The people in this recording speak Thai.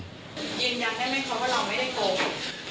ยืนยันได้ไหมคะว่าเราไม่ได้โกหก